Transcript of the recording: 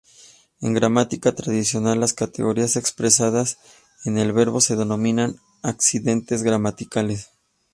En gramática tradicional las categorías expresadas en el verbo se denominan "accidentes gramaticales".